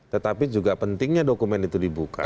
tetapi juga pentingnya dokumen itu dibuka